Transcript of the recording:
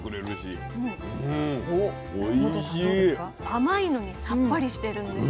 甘いのにさっぱりしてるんです。